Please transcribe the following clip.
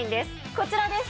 こちらです！